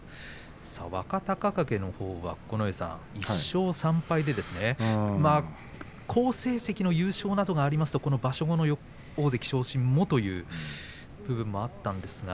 若隆景のほうは１勝３敗で好成績の優勝などがありますとこの場所後の大関昇進もという部分もあったんですか。